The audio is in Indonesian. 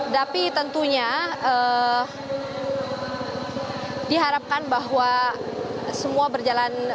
tapi tentunya diharapkan bahwa semua berjalan